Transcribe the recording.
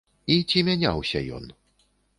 І ці мяняўся ён?